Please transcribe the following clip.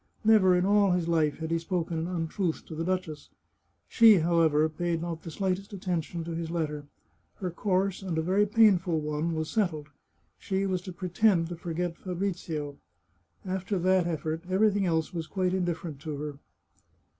Never in all his life had he spoken an untruth to the duchess. She, however, paid not the slightest attention to his letter. Her course, 299 The Chartreuse of Parma and a very painful one, was settled: she was to pretend to forget Fabrizio. After that effort, everything else was quite indifferent to her.